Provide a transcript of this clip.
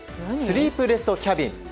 スリープレストキャビン。